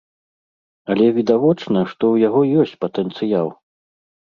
Але відавочна, што ў яго ёсць патэнцыял.